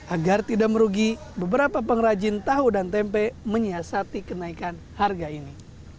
agar tidak merugi beberapa pengrajin tahu dan tempe menyiasati kenaikan harga ini